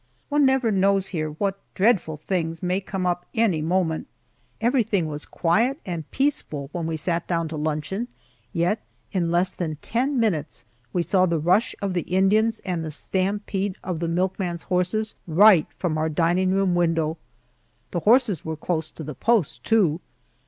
One never knows here what dreadful things may come up any moment. Everything was quiet and peaceful when we sat down to luncheon, yet in less than ten minutes we saw the rush of the Indians and the stampede of the milkman's horses right from our dining room window. The horses were close to the post too.